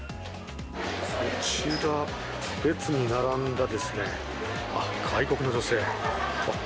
こちら、列に並んだですね、外国の女性。